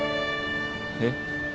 えっ？